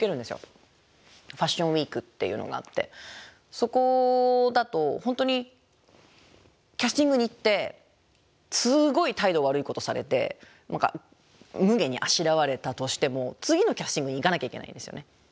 そこだと本当にキャスティングに行ってすごい態度悪いことされて何かむげにあしらわれたとしても次のキャスティングに行かなきゃいけないんですよね。